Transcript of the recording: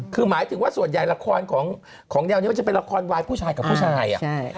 คือหมายถึงว่าส่วนใหญ่ละครของแนวนี้มันจะเป็นละครวายผู้ชายกับผู้ชาย